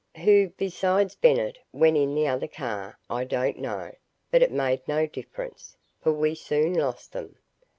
Who, besides Bennett, went in the other car, I don't know, but it made no difference, for we soon lost them.